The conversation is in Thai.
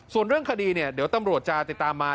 ส่วนเรื่องคดีเนี่ยเดี๋ยวตำรวจจะติดตามมา